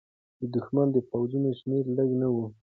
د دښمن د پوځونو شمېر لږ نه و.